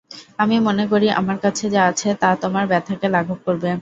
আমি মনে করি আমার কাছে যা আছে তা তোমার ব্যাথাকে লাঘব করবে।